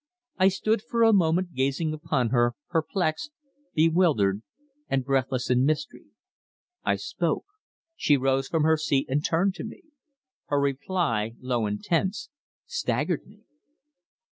I stood for a moment gazing upon her, perplexed, bewildered and breathless in mystery. I spoke. She rose from her seat, and turned to me. Her reply, low and tense, staggered me!